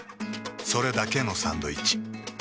それだけのサンドイッチ。